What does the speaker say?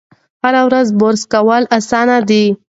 هره ورځ برس کول اسانه دي.